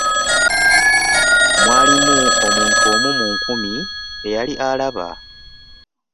Mwalimu omuntu omu mu nkumi eyali alaba.